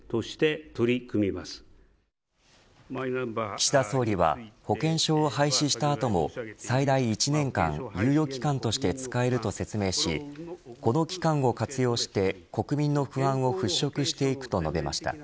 岸田総理は保険証を廃止した後も最大１年間、猶予期間として使えると説明しこの期間を活用して国民の不安を払拭していくと述べました。